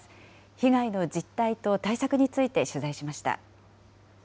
被害の実態と対策について取材しました。